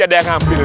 jadi kalau yang ini